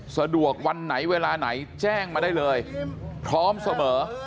สะดวกวันไหนเวลาไหนแจ้งมาได้เลยพร้อมเสมอ